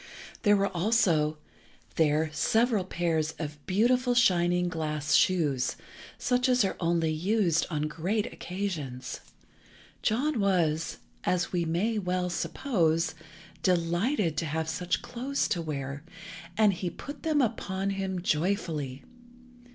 There were also there several pairs of beautiful shining glass shoes, such as are only used on great occasions. John was, as we may well suppose, delighted to have such clothes to wear, and he put them upon him joyfully.